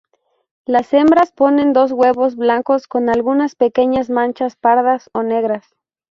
Las hembras ponen dos huevos blancos con algunas pequeñas manchas pardas o negras.